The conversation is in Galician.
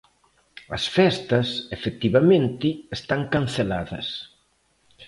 As festas, efectivamente, están canceladas.